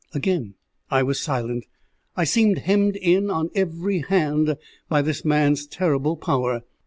Again I was silent. I seemed hemmed in on every hand by this man's terrible power.